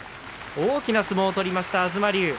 大きな相撲を取りました東龍。